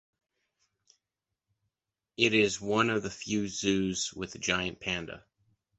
It is one of the few zoos with a giant Panda.